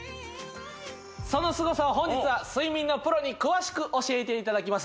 そのすごさを本日は睡眠のプロに詳しく教えていただきます